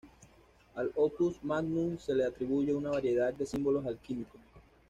Al Opus magnum se le atribuye una variedad de símbolos alquímicos.